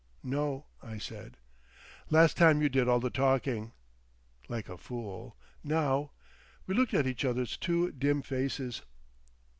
"No," I said. "Last time you did all the talking." "Like a fool. Now—" We looked at each other's two dim faces.